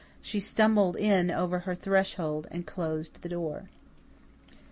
She stumbled in over her threshold and closed the door.